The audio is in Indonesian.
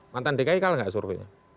mantan dki kalah gak surwya